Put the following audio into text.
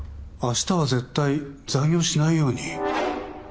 明日は絶対残業しないように。